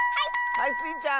はいスイちゃん。